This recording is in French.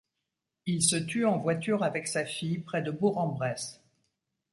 Il se tue en voiture avec sa fille près de Bourg-en-Bresse.